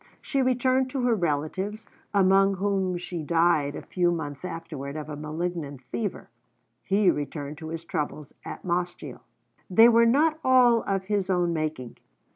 She returned to her relatives, among whom she died a few months afterward of a malignant fever; he returned to his troubles at Mossgiel. They were not all of his own making.